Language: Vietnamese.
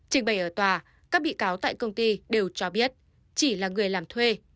trình bày ở tòa các bị cáo tại công ty đều cho biết chỉ là người làm thuê